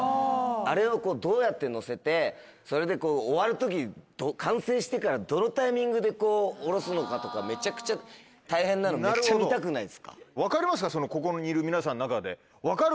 あれをどうやって乗せてそれで終わる時完成してからどのタイミングでこう下ろすのかとかめちゃくちゃ大変なのめっちゃ見たくないですか？